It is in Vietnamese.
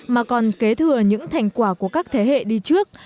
mà còn kế thừa những thành quả của các thế hệ đi trước